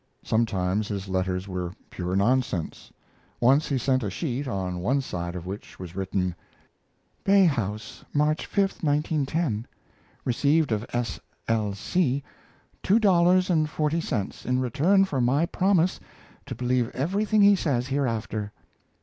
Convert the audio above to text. Sometimes his letters were pure nonsense. Once he sent a sheet, on one side of which was written: BAY HOUSE, March s, 1910. Received of S. L. C. Two Dollars and Forty Cents in return for my promise to believe everything he says hereafter.